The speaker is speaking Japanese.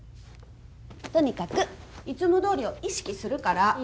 とにかくいつもどおりを意識するから。